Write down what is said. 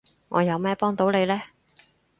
我有咩幫到你呢？